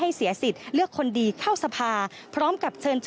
เสียสิทธิ์เลือกคนดีเข้าสภาพร้อมกับเชิญ